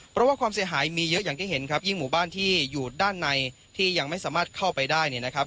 เพราะว่าความเสียหายมีเยอะอย่างที่เห็นครับยิ่งหมู่บ้านที่อยู่ด้านในที่ยังไม่สามารถเข้าไปได้เนี่ยนะครับ